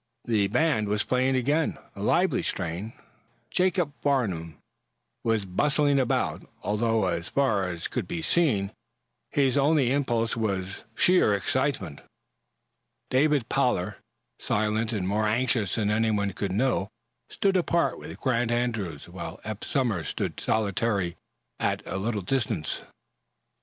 The band was playing again, a lively strain. Jacob Farnum was bustling about, although, as far as could be seen, his only impulse was sheer excitement. David Pollard, silent and more anxious than anyone could know, stood apart with Grant Andrews, while Eph Somers stood solitary at a little distance.